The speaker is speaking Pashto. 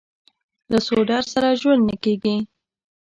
له سوډرسره ژوند نه کېږي.